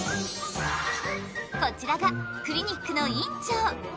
こちらがクリニックの院長。